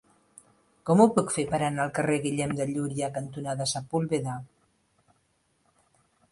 Com ho puc fer per anar al carrer Guillem de Llúria cantonada Sepúlveda?